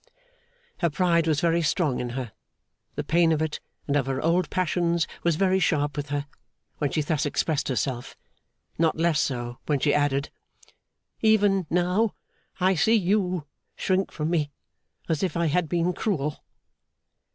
Her pride was very strong in her, the pain of it and of her old passions was very sharp with her, when she thus expressed herself. Not less so, when she added: 'Even now, I see you shrink from me, as if I had been cruel.